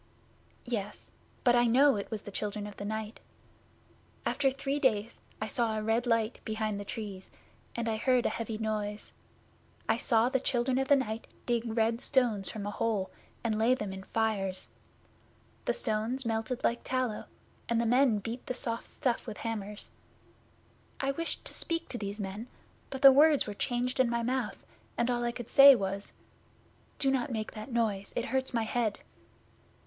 'Yes but I know it was the Children of the Night. After three days I saw a red light behind the Trees, and I heard a heavy noise. I saw the Children of the Night dig red stones from a hole, and lay them in fires. The stones melted like tallow, and the men beat the soft stuff with hammers. I wished to speak to these men, but the words were changed in my mouth, and all I could say was, "Do not make that noise. It hurts my head."